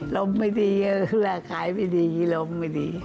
ร้องไม่ดีรหัสขายไม่ดีร้องไม่ดี